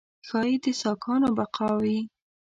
ښایي د ساکانو بقایاوي.